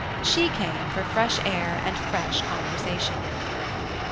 She came for fresh air and fresh conversation.